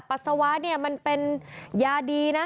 ปัสสาวะมันเป็นยาดี